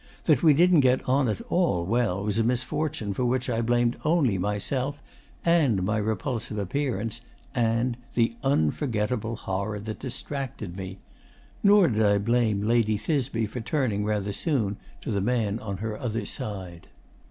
That we didn't get on at all well was a misfortune for which I blamed only myself and my repulsive appearance and the unforgettable horror that distracted me. Nor did I blame Lady Thisbe for turning rather soon to the man on her other side.